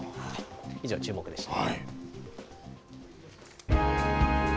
以上、チューモク！でした。